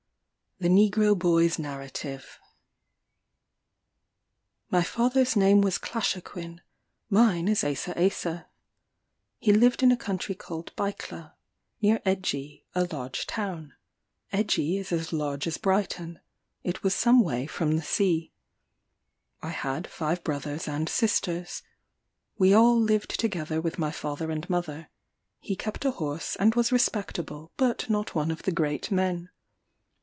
The Negro Boy's Narrative. My father's name was Clashoquin; mine is Asa Asa. He lived in a country called Bycla, near Egie, a large town. Egie is as large as Brighton; it was some way from the sea. I had five brothers and sisters. We all lived together with my father and mother; he kept a horse, and was respectable, but not one of the great men.